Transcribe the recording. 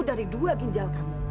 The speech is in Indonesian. dari dua ginjal kamu